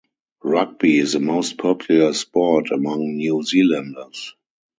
Rugby is the most popular sport among New Zealanders.